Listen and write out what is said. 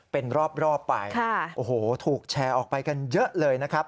เป็นรอบไปโอ้โหถูกแชร์ออกไปกันเยอะเลยนะครับ